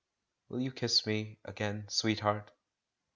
"Will you kiss me again, sweetheart?"